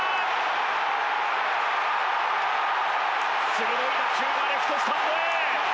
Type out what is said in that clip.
鋭い打球がレフトスタンドへ！